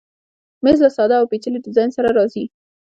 مېز له ساده او پیچلي ډیزاین سره راځي.